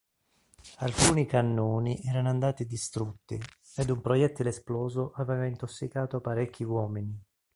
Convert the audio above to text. Alcuni cannoni erano andati distrutti ed un proiettile esploso aveva intossicato parecchi uomini.